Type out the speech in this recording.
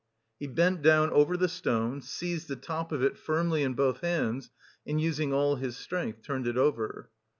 He bent down over the stone, seized the top of it firmly in both hands, and using all his strength turned it over.